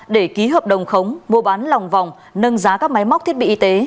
để ký hợp đồng khống mua bán lòng vòng nâng giá các máy móc thiết bị y tế